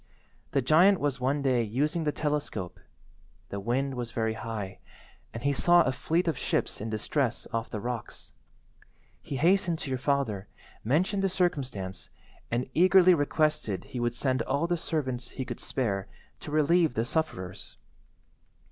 The giant was one day using the telescope; the wind was very high, and he saw a fleet of ships in distress off the rocks. He hastened to your father, mentioned the circumstance, and eagerly requested he would send all the servants he could spare to relieve the sufferers.